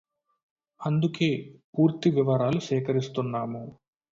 అందుకే పూర్తి వివరాలు సేకరిస్తున్నాము